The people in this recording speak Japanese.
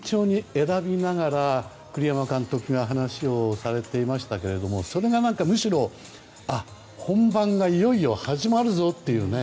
言葉を慎重に選びながら栗山監督が話をされていましたけれどもそれがむしろ本番がいよいよ始まるぞというね。